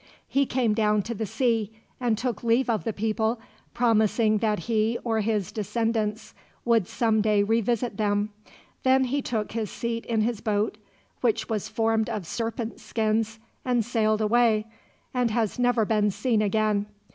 "He came down to the sea, and took leave of the people, promising that he or his descendants would some day revisit them. Then he took his seat in his boat, which was formed of serpent skins, and sailed away, and has never been seen again.